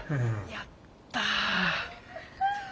やった！